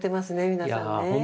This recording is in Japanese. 皆さんね。